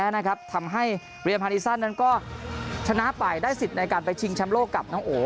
นั้นก็ชนะไปได้สิทธิ์ในการไปชิงแชมโลกกับน้องโอ๋